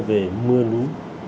về mưa lũ